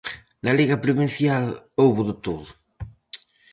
Na liga provincial houbo de todo.